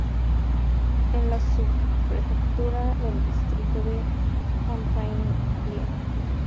Es la subprefectura del distrito de Fontainebleau.